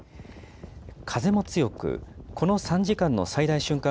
風も強く、この３時間の最大瞬間